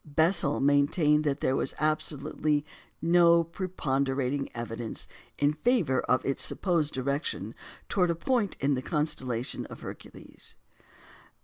Bessel maintained that there was absolutely no preponderating evidence in favour of its supposed direction towards a point in the constellation Hercules.